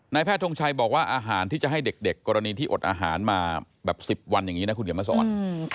แพทย์ทงชัยบอกว่าอาหารที่จะให้เด็กกรณีที่อดอาหารมาแบบ๑๐วันอย่างนี้นะคุณเขียนมาสอน